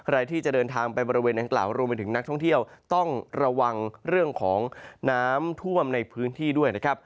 ใครที่จะเดินทางไปบริเวณนางกล่าวรวมไปถึงนักท่องเที่ยวต้องระวังเรื่องของน้ำท่วมในพื้นที่ด้วยนะครับ